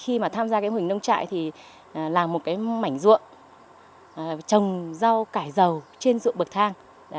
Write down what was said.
khi mà tham gia cái mô hình nông trại thì làm một cái mảnh ruộng trồng rau cải rầu trên ruộng bực thang